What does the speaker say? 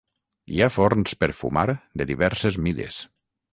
Hi ha forns per fumar de diverses mides.